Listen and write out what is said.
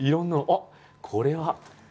あっこれは！